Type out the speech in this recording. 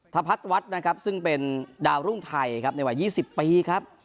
ทภัทรวัฒน์นะครับซึ่งเป็นดาวรุ่นไทยครับในวัยยี่สิบปีครับ